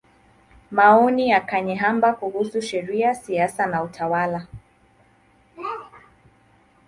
Maoni ya Kanyeihamba kuhusu Sheria, Siasa na Utawala.